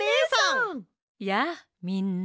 やあみんな。